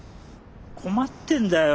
困ってんだよ。